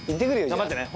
頑張ってね